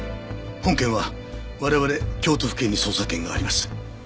本件は我々京都府警に捜査権があります。